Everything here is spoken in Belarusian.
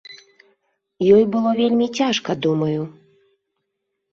Ёй было вельмі цяжка, думаю.